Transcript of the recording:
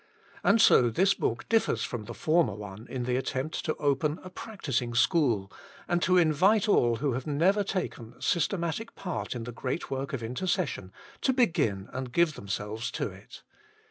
And so this book differs from the former one in the attempt to open a practising school, and to invite all who have never taken systematic part in the great work of intercession to begin and give themselves to it.